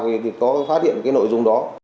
khi có phát hiện cái nội dung đó